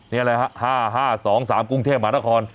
นี่อะไรฮะ๕๕๒๓กรุงเทพหมานคร